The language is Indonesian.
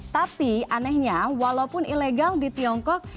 tapi anehnya walaupun ilegal di tiongkok